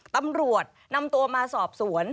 ตำรวจนำตัวมาสอบสวน